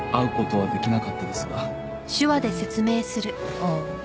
ああ。